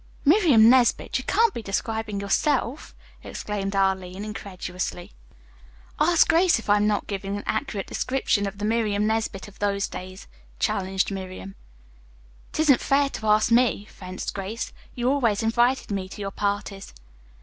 "Miriam Nesbit, you can't be describing yourself!" exclaimed Arline incredulously. "Ask Grace if I am not giving an accurate description of the Miriam Nesbit of those days," challenged Miriam. "It isn't fair to ask me," fenced Grace. "You always invited me to your parties."